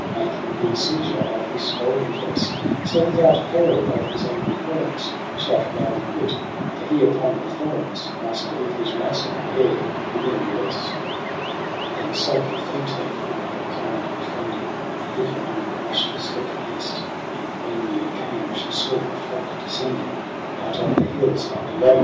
Making thee seizure of his golden fleece j So without peril of his angry horns Shalt thou be quit : for he upon the thorns Must leave his ransom ere he win release.' 38 EROS 6 PSYCHE I? Then Psyche thankt her for her kind befriending, And hid among the rushes looking east ; And when noon came she saw the flock descending Out of the hills ; and lo